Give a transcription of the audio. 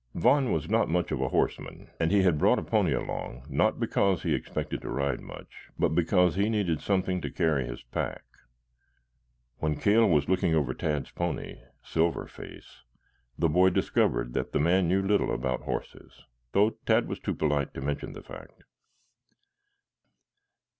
Vaughn was not much of a horseman, and he had brought a pony along, not because he expected to ride much, but because he needed something to carry his pack. When Cale was looking over Tad's pony, "Silver Face," the boy discovered that the man knew little about horses, though Tad was too polite to mention the fact.